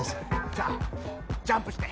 じゃあジャンプして。